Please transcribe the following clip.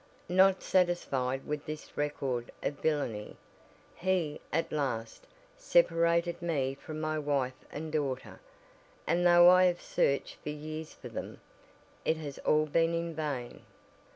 Not satisfied with this record of villainy, he, at last, separated me from my wife and daughter, and though I have searched for years for them, it has all been in vain."